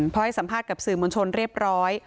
พอให้สัมภาษณ์กับสื่อมวลชนเรียบร้อย